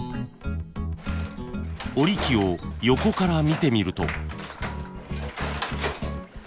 織り機を横から見てみると。